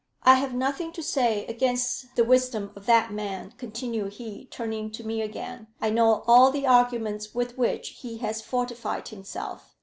"I have nothing to say against the wisdom of that man," continued he, turning to me again. "I know all the arguments with which he has fortified himself.